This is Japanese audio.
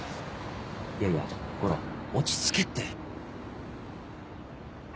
いやいや悟郎落ち着けって。